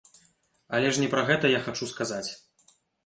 Але ж не пра гэта я хачу сказаць.